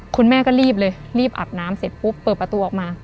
คุณแม่ก็รีบเลยรีบอาบน้ำเสร็จปุ๊บเปิดประตูออกมา